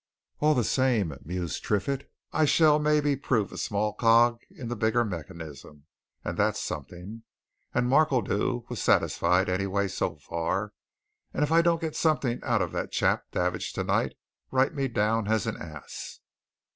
"All the same," mused Triffitt, "I shall maybe prove a small cog in the bigger mechanism, and that's something. And Markledew was satisfied, anyway, so far. And if I don't get something out of that chap Davidge tonight, write me down an ass!"